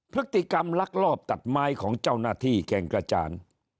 พฤติกรรมลักลอบตัดไม้ของเจ้าหน้าที่แก่งกระจาน